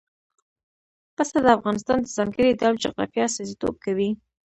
پسه د افغانستان د ځانګړي ډول جغرافیه استازیتوب کوي.